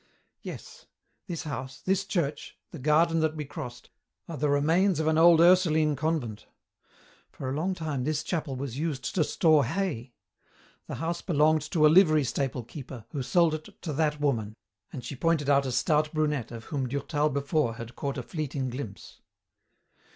"Yes. This house, this church, the garden that we crossed, are the remains of an old Ursuline convent. For a long time this chapel was used to store hay. The house belonged to a livery stable keeper, who sold it to that woman," and she pointed out a stout brunette of whom Durtal before had caught a fleeting glimpse.